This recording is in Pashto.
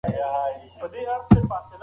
هغه ماشوم چې مینه ویني له ټولنې نه بېلېږي.